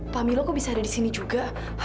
pamilo kok bisa ada disini juga